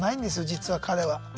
実は彼は。